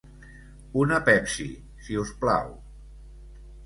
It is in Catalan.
Una Pepsi, si us plau.